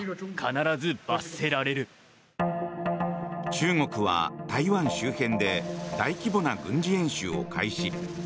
中国は台湾周辺で大規模な軍事演習を開始。